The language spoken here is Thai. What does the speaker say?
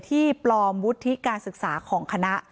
ปลอมวุฒิการศึกษาของคณะ